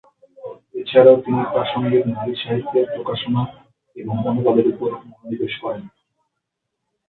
এছাড়াও তিনি প্রাসঙ্গিক নারী সাহিত্যের প্রকাশনা এবং অনুবাদের উপর মনোনিবেশ করেন।